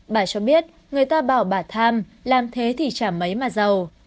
bà cho biết người ta bảo bà tham làm thế thì chả mấy mà giàu